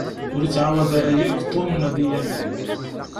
Ur ittɛawad ara akk Tom ad yi-yamen.